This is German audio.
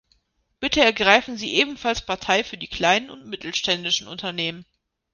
Bitte ergreifen Sie ebenfalls Partei für die kleinen und mittelständischen Unternehmen!